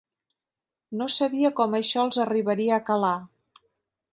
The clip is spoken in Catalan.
No sabia com això els arribaria a calar.